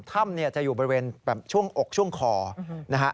ถ้ำจะอยู่บริเวณช่วงอกช่วงคอนะครับ